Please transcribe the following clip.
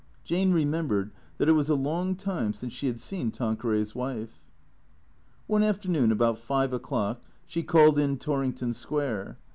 Jane remembered that it was a long time since she had seen Tanqueray's wife. One afternoon, about five o'clock, she called in Torrington Square.